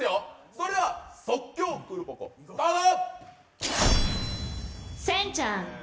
それでは即興クールポコスタート。